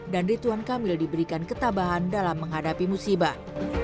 dan rituan kamil diberikan ketabahan dalam menghadapi musibah